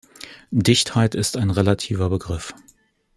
Dichtheit ist ein relativer Begriff.